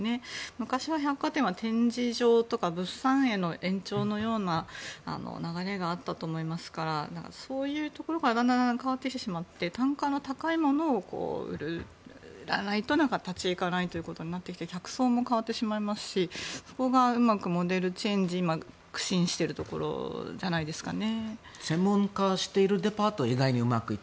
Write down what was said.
昔は百貨店は展示場とか物産展の延長線上という流れがあったと思いますがそういうところからだんだん変わってしまって単価の高いものを売らないと立ち行かないということになってきて客層も変わってしまいますしそこがうまくモデルチェンジ苦心しているところじゃないですかね。